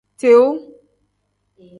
Tiu.